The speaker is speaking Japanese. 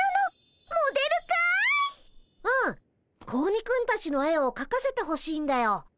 うん子鬼くんたちの絵をかかせてほしいんだよ。